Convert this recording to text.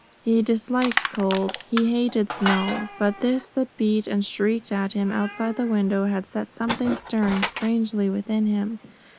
He disliked cold. He hated snow. But this that beat and shrieked at him outside the window had set something stirring strangely within him.